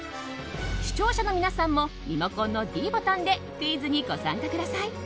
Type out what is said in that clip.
視聴者の皆さんもリモコンのｄボタンでクイズにご参加ください。